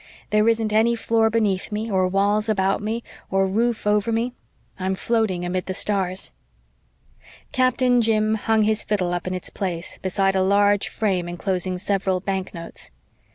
There isn't any floor beneath me, or walls about me, or roof over me I'm floating amid the stars." Captain Jim hung his fiddle up in its place, beside a large frame enclosing several banknotes.